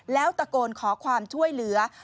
แล้วตะโกนขอความช่วยเหลือ